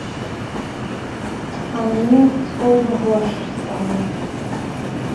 А мне, з поўдня горш стала.